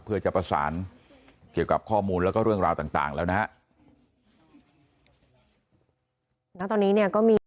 เพื่อจะประสานเกี่ยวกับข้อมูลแล้วก็เรื่องราวต่างแล้วนะฮะ